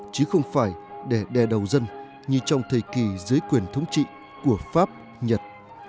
chứ không phải để đè đầu dân như trong thời kỳ dưới quyền thống trị của pháp nhật